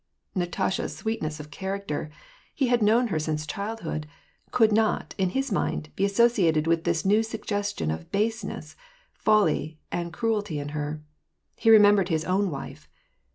Natasha's sweetness of character — he had known her since childhood — could not, in his mind, be associated with this new suggestion of baseness, folly^ and cruelty in her. He remem ^ bered his own wife.